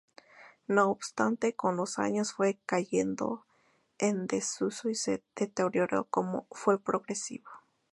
No obstante, con los años fue cayendo en desuso y su deterioro fue progresivo.